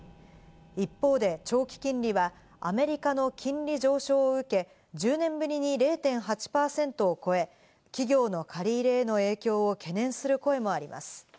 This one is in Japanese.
一方で長期金利はアメリカの金利上昇を受け、１０年ぶりに０．８％を超え、企業の借り入れの影響を懸念する声もあります。